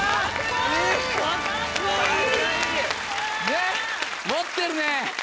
ねっ持ってるね！